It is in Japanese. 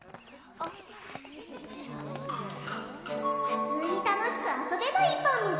普通に楽しく遊べばいいパム